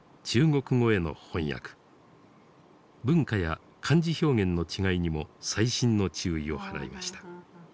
文化や漢字表現の違いにも細心の注意を払いました。